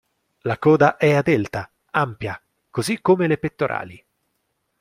La coda è a delta, ampia, così come le pettorali.